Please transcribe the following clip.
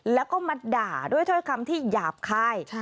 แล้วก็มาด่าด้วยถ้อยคำที่หยาบคาย